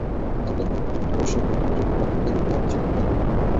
অ্যাম্বুলেন্সগুলো প্রতিদিন ঢাকা বিশ্ববিদ্যালয় কেন্দ্রীয় খেলার মাঠের দেয়াল ঘেঁষে রাখা হয়।